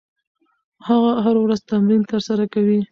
هغه هره ورځ تمرین ترسره کوي.